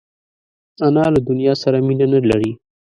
انا له دنیا سره مینه نه لري